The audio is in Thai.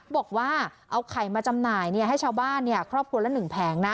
บอกว่าเอาไข่มาจำหน่ายให้ชาวบ้านครอบครัวละ๑แผงนะ